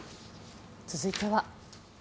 続いては。